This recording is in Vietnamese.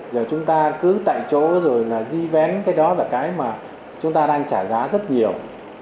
giờ chúng ta cứ tại chỗ rồi là ghi vén cái đó là cái mà chúng ta đang trả giá rất nhiều